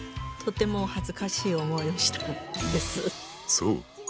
そう。